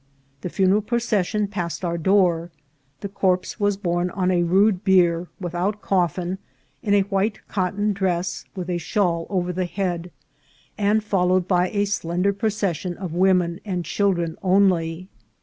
The funeral procession passed our door. The corpse was borne on a rude bier, without coffin, in a white cotton dress, with a shawl over the head, and followed by a slender procession of women and children only.